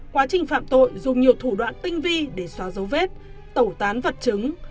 quá trình phạm tội dùng nhiều thủ đoạn tinh vi để xóa dấu vết tẩu tán vật chứng